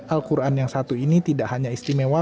al quran yang satu ini tidak hanya istimewa